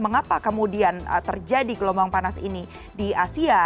mengapa kemudian terjadi gelombang panas ini di asia